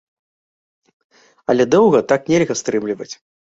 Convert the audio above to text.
Але доўга так нельга стрымліваць.